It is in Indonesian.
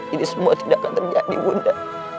ini semua tidak akan terjadi bunda